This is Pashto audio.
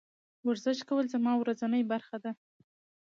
ورزش کول زما ورځنۍ برخه ده.